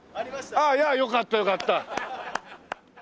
ああよかったよかった。